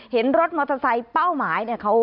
เห็นรถมอเตอร์ไซค์เป้าหมายเนี่ย